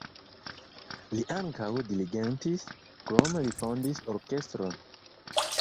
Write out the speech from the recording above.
Li ankaŭ dirigentis, krome li fondis orkestron.